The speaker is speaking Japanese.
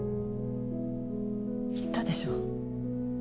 言ったでしょ。